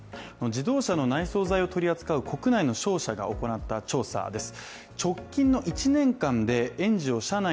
自動車の内装材を取り扱う国内の庁舎が行ったものです。